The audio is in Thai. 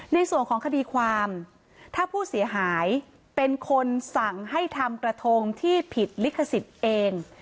ในส่วนของคดีความถ้าผู้เสียหายเป็นคนสั่งให้ทำกระทงที่ผิดลิขสิทธิ์เอง